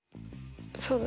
そうだ